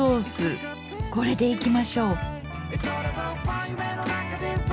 これでいきましょう。